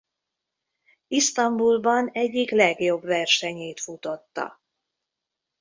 Isztambulban egyik legjobb versenyét futotta.